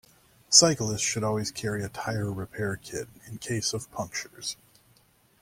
Cyclists should always carry a tyre-repair kit, in case of punctures